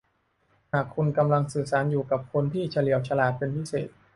หากคุณกำลังสื่อสารอยู่กับคนที่เฉลียวฉลาดเป็นพิเศษ